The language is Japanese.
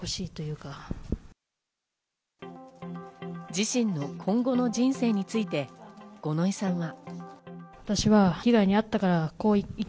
自身の今後の人生について五ノ井さんは。